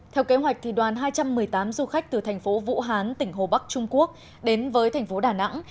theo kế hoạch đoàn hai trăm một mươi tám du khách từ thành phố vũ hán tỉnh hồ bắc trung quốc đến với thành phố đà nẵng